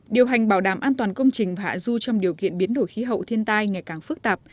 điều hành bảo đảm an toàn công trình và hạ du trong điều kiện biến đổi khí hậu thiên tai ngày càng phức tạp